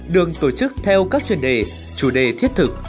đường tổ chức theo các chuyên đề chủ đề thiết thực